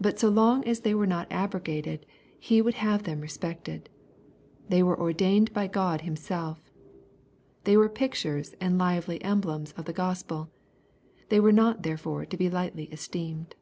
But so long as they were not abrogated He would have them respected. They were ordained by God Himself. They were pic tures and lively emblems of the Gospel. They were not therefore to be lightly esteemed.